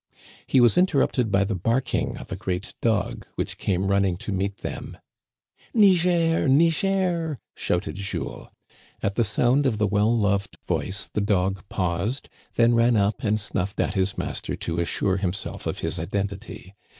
He was interrupted by the barking of a great dog, which came running to meet them. " Niger ! Niger !" shouted Jules. At the sound of the well loved voice the dog paused, then ran up and snuffed at his master to assure himself of his identity.